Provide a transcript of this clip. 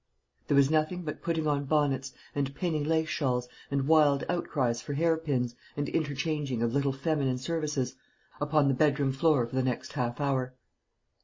There was nothing but putting on bonnets, and pinning lace shawls, and wild outcries for hair pins, and interchanging of little feminine services, upon the bedroom floor for the next half hour.